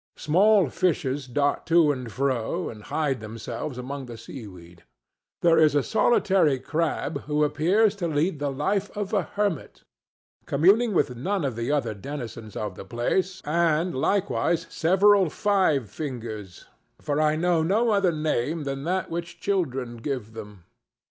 Small fishes dart to and fro and hide themselves among the seaweed; there is also a solitary crab who appears to lead the life of a hermit, communing with none of the other denizens of the place, and likewise several five fingers; for I know no other name than that which children give them.